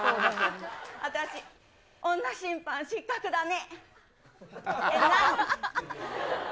私、女審判失格だね。